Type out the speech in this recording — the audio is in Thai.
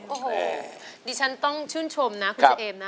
โอ้โหดิฉันต้องชื่นชมนะคุณเชมนะ